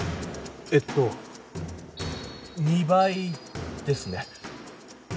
えっと２倍ですね。